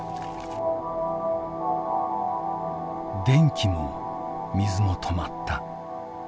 電気も水も止まった。